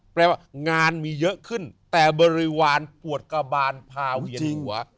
แปลว่างานมีเยอะขึ้นแต่บริวารปวดกระบานพาเวียนหัว